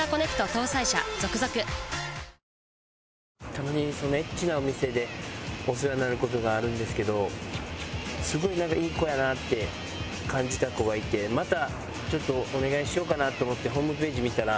たまにエッチなお店でお世話になる事があるんですけどすごいいい子やなって感じた子がいてまたちょっとお願いしようかなと思ってホームページ見たら。